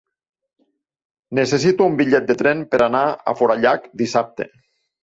Necessito un bitllet de tren per anar a Forallac dissabte.